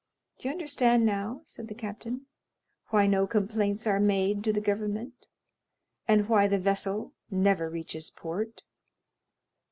Do you understand now," said the captain, "why no complaints are made to the government, and why the vessel never reaches port?"